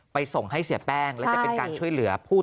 ส่งให้เสียแป้งและจะเป็นการช่วยเหลือผู้